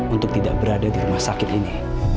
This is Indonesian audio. untuk tidak berada di rumah sakit ini